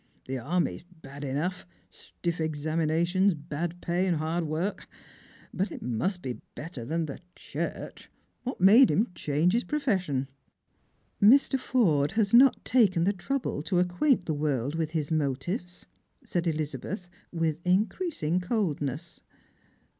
The army's bad enough — stiff examina tions, bad pay, hard work; but it must be better than the Church. What made him change his profession?" " Mr. Forde has not taken the trouble to acquaint the world with his motives," said Elizabeth with increasing coldness.